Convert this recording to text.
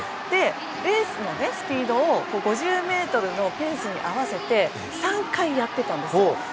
レースのスピードを５０ｍのペースに合わせて３回やっていたんです。